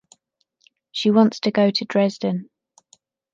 She wants to go to Dresden